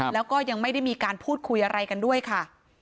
แล้วก็ยังไม่ได้มีการพูดคุยอะไรกันด้วยค่ะ